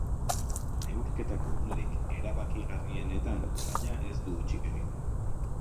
Neurketako unerik erabakigarrienetan, baina, ez du hutsik egin.